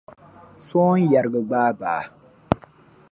Sooŋ’ yariga gbaai baa.